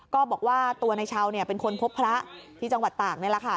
ก็บอกว่าตัวนายชาวเป็นคนพบพระที่จังหวัดตากนี่แหละค่ะ